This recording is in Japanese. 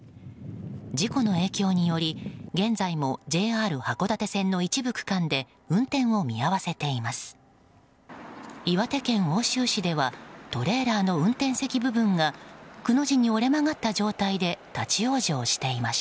事故の影響により現在もＪＲ函館線の一部区間で運転を見合わせています。